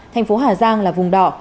thành phố hà giang là vùng đỏ